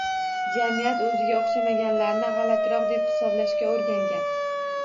Jamiyat o’ziga o’xshamaganlarni g’alatiroq deb hisoblashga o’rgangan